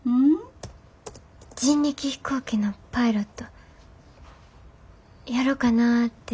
人力飛行機のパイロットやろかなて迷てるんや。